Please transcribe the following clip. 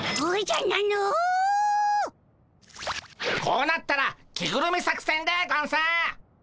こうなったら着ぐるみ作戦でゴンス！